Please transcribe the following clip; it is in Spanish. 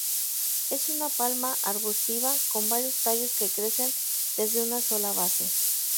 Es una palma arbustiva, con varios tallos que crecen desde una sola base.